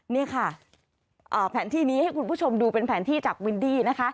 นี่ค่ะแผนที่นี้ให้คุณผู้ชมดูเป็นแผนที่จากวินดี้นะคะ